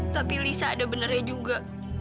tapi lisa ada benarnya juga